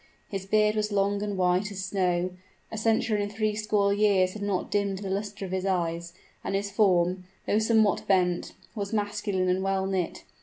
His beard was long and white as snow; a century and three score years had not dimmed the luster of his eyes; and his form, though somewhat bent, was masculine and well knit.